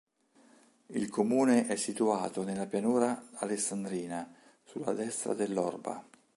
Il comune è situato nella pianura alessandrina sulla destra dell'Orba.